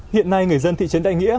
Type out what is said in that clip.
hiện nay người dân thị trấn đại nghĩa